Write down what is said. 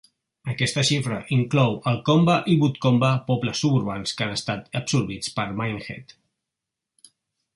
Aquesta xifra inclou Alcombe i Woodcombe, pobles suburbans que han estat absorbits per Minehead.